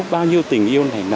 bao nhiêu tình yêu này